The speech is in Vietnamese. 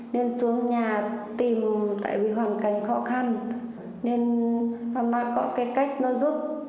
nên xuống nhà tìm tại vì hoàn cảnh khó khăn nên nó có cái cách nó giúp